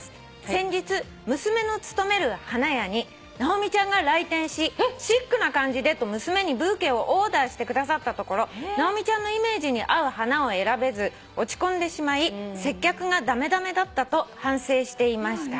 先日娘の勤める花屋に直美ちゃんが来店しシックな感じでと娘にブーケをオーダーしてくださったところ直美ちゃんのイメージに合う花を選べず落ち込んでしまい接客が駄目駄目だったと反省していました」